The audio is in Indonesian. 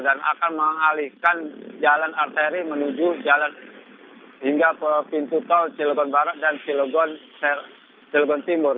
dan akan mengalihkan jalan arteri menuju jalan hingga pintu tol cilebon barat dan cilebon timur